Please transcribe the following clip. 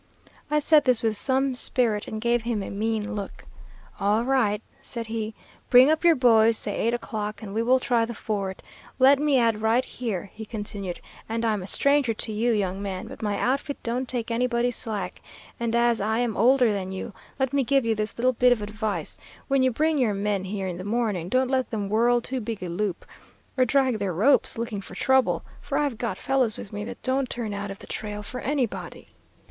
I said this with some spirit and gave him a mean look. "'All right,' said he, 'bring up your boys, say eight o'clock, and we will try the ford. Let me add right here,' he continued, 'and I'm a stranger to you, young man, but my outfit don't take anybody's slack, and as I am older than you, let me give you this little bit of advice: when you bring your men here in the morning, don't let them whirl too big a loop, or drag their ropes looking for trouble, for I've got fellows with me that don't turn out of the trail for anybody.'